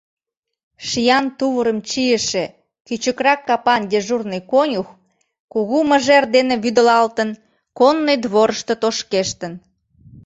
Шиян тувырым чийыше кӱчыкрак капан дежурный конюх, кугу мыжер дене вӱдылалтын, конный дворышто тошкештын.